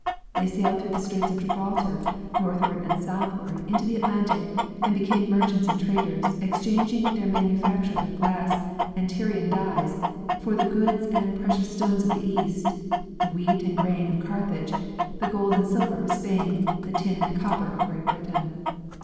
They sailed through the straits of Gibralter northward and southward into the Atlantic and became merchants and traders, exchanging their manufactures of glass and Tyrian dyes for the goods and precious stones of the east, the wheat and grain of Carthage, the gold and silver of Spain, the tin and copper of Great Britain.